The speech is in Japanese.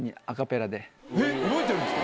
覚えてるんですか？